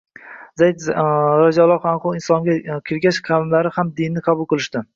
Zayd roziyallohu anhu Islomga kirgach, qavmdoshlari ham dinni qabul qilishdi